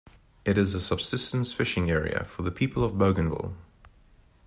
It is a subsistence fishing area for the people of Bougainville.